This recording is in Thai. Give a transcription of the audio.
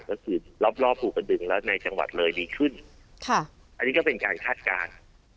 ก็คือรอบรอบภูกระดึงและในจังหวัดเลยดีขึ้นค่ะอันนี้ก็เป็นการคาดการณ์